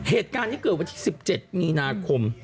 เหตุการณ์นี้เกิดวันที่๑๗มีนาคม